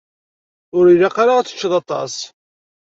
Ur ilaq ara ad teččeḍ aṭas.